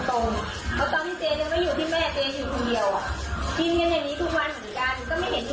แล้วตอนนี้เจ๊ยังไม่อยู่ที่แม่เจ๊อยู่คนเดียวอ่ะกินเงินแห่งนี้ทุกวันเหมือนกัน